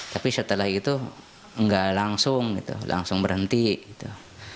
tapi setelah itu nggak langsung gitu langsung berhenti gitu